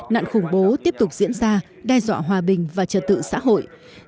nạn khủng bố tiếp tục diễn ra đe dọa hòa bình và trật tự xã hội